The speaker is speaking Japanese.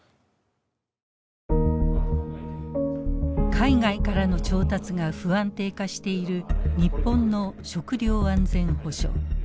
海外からの調達が不安定化している日本の食料安全保障。